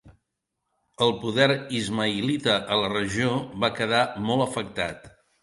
El poder ismaïlita a la regió va quedar molt afectat.